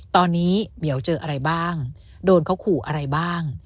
ตอนนี้เหมียวเจออะไรบ้างโดนเขาขู่อะไรบ้าง